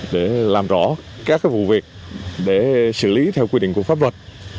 để làm rõ các vụ việc để xử lý theo quy định của pháp luật